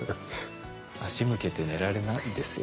足向けて寝られないですよ。